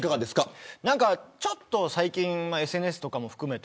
ちょっと最近ＳＮＳも含めて